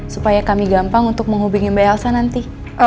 supaya kami gampang untuk menghubungi mbak elsa nanti